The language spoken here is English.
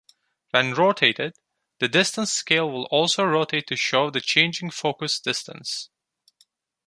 When rotated, the distance scale will also rotate to show the changing focus distance.